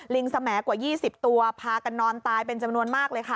สมัยกว่า๒๐ตัวพากันนอนตายเป็นจำนวนมากเลยค่ะ